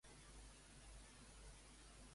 Trobar el contingut de la llista que es diu "còmics".